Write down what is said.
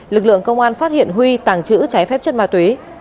lực lượng công an phát hiện huy tàng trữ trái phép chất ma túy